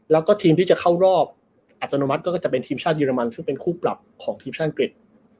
แล้วก็ทีมที่จะเข้ารอบอัตโนมัติก็จะเป็นทีมชาติเรมันซึ่งเป็นคู่ปรับของทีมชาติอังกฤษ